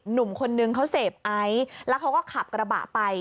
หนุ่มคนนึงเขาเสพไอซ์แล้วเขาก็ขับกระบะไป